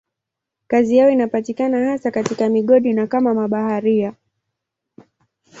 Kazi yao inapatikana hasa katika migodi na kama mabaharia.